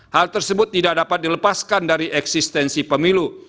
hal tersebut tidak dapat dilepaskan dari eksistensi pemilu